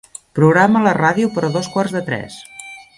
Programa la ràdio per a dos quarts de tres.